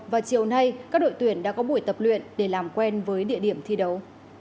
và chiều nay các đội tuyển đã có buổi tập luyện để làm quen với địa điểm thi đấu